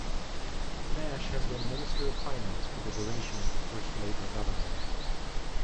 Nash had been Minister of Finance for the duration of the first Labour government.